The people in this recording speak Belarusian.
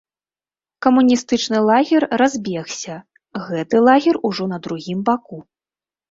Камуністычны лагер разбегся, гэты лагер ужо на другім баку.